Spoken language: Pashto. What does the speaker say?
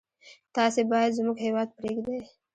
تاسي باید زموږ هیواد پرېږدی.